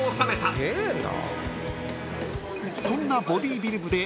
［そんなボディビル部で］